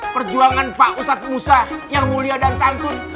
perjuangan pak ustadz musa yang mulia dan santun